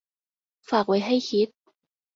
ฝากไว้ให้คิด